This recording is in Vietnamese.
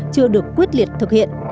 chưa được quyết liệt thực hiện